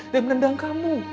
dan menendang kamu